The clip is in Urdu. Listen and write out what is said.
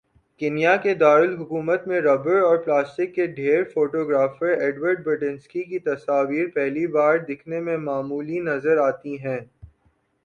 کینیا کے دارلحکومت میں ربڑ اور پلاسٹک کے ڈھیر فوٹو گرافر ایڈورڈ برٹینسکی کی تصاویر پہلی بار دکھنے میں معمولی ضرور نظر آتی ہیں